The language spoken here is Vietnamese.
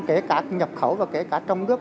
kể cả nhập khẩu và kể cả trong nước